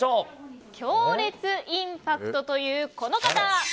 強烈インパクト！というこの方。